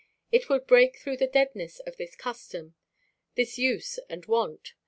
It would break through the deadness of this custom, this use and wont.